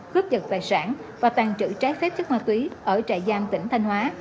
cướp giật tài sản và tàn trữ trái phép chất ma túy ở trại giam tỉnh thanh hóa